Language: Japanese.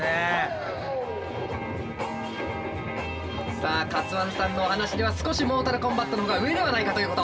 さあＫＡＴＳＵＯＮＥさんのお話では少しモータルコンバットのほうが上ではないかということ。